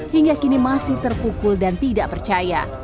hingga kini masih terpukul dan tidak percaya